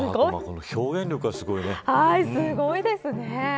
すごいですね。